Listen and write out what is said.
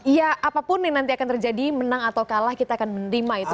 ya apapun yang nanti akan terjadi menang atau kalah kita akan menerima itu